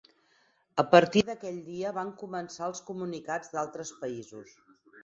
A partir d'aquell dia van començar els comunicats d'altres països.